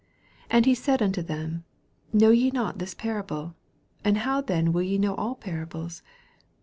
13 And he said unto them, Know ye not this parable I and how then will ye know all parables